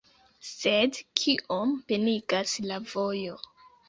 Sed kiom penigas la vojo..